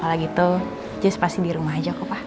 apalagi itu just pasti di rumah aja kok pa